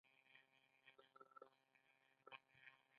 رئیس جمهور خپلو عسکرو ته امر وکړ؛ وسلې مو ډکې وساتئ!